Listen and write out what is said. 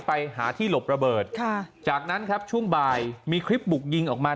ไปหาที่หลบระเบิดค่ะจากนั้นครับช่วงบ่ายมีคลิปบุกยิงออกมา